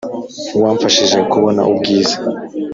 wamfashije kubona ubwiza